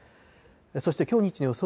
そしてきょう日中の予想